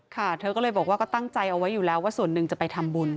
เธอก็เลยบอกว่าก็ตั้งใจเอาไว้อยู่แล้วว่าส่วนหนึ่งจะไปทำบุญ